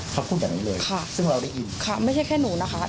เขาพูดแบบนี้เลยค่ะซึ่งเราได้ยินค่ะไม่ใช่แค่หนูนะคะ